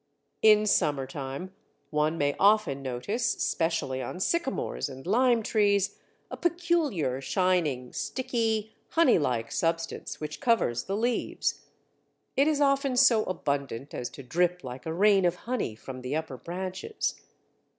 In summer time one may often notice, especially on sycamores and lime trees, a peculiar shining, sticky, honey like substance which covers the leaves. It is often so abundant as to drip like a rain of honey from the upper branches.